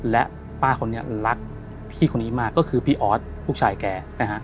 และป้าคนนี้รักพี่คนนี้มากก็คือพี่ออสลูกชายแกนะฮะ